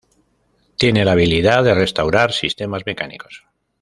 Tiene la habilidad de restaurar sistemas mecánicos.